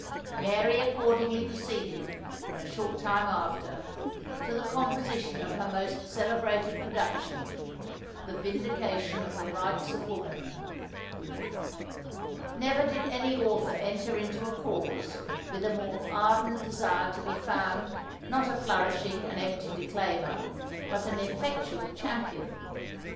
Mary accordingly proceeded, in a short time after, to the composition of her most celebrated production, the Vindication of the Rights of Woman. Never did any author enter into a cause, with a more ardent desire to be found, not a flourishing and empty declaimer, but an effectual champion.